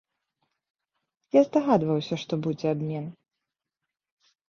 Я здагадваўся, што будзе абмен.